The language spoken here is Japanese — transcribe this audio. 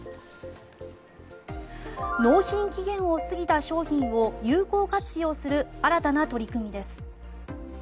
納品期限を過ぎた商品を有効活用する新たな取り組みです。